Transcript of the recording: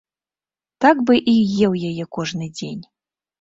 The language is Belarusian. Так бы і еў яе кожны дзень.